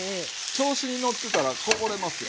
調子に乗ってたらこぼれますよ。